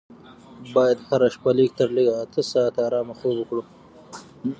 باید هره شپه لږ تر لږه اته ساعته ارامه خوب وکړو.